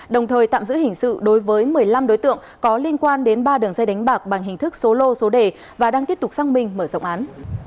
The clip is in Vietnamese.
đồng thời tạm giữ hình sự đối với một mươi năm đối tượng có liên quan đến ba đường dây đánh bạc bằng hình thức số lô số đề và đang tiếp tục xăng minh mở rộng án